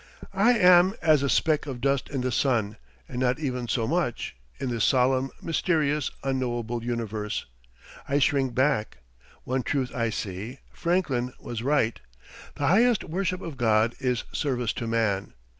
I am as a speck of dust in the sun, and not even so much, in this solemn, mysterious, unknowable universe. I shrink back. One truth I see. Franklin was right. "The highest worship of God is service to Man."